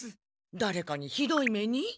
だれかにひどい目に？